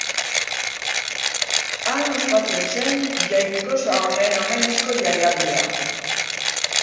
Han ospatzen zen jainkosa honen omenezko jaialdia.